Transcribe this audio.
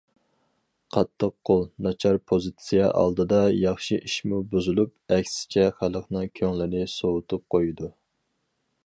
قاتتىق قول، ناچار پوزىتسىيە ئالدىدا ياخشى ئىشمۇ بۇزۇلۇپ، ئەكسىچە خەلقنىڭ كۆڭلىنى سوۋۇتۇپ قويىدۇ.